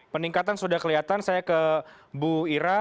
peningkatan sudah kelihatan saya ke bu ira